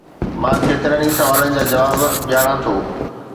مان ڪيترن ئي سوالن جا جواب ڄاڻان ٿو